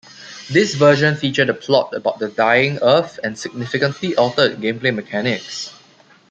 This version featured a plot about the dying earth and significantly altered gameplay mechanics.